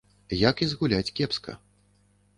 Як і згуляць кепска.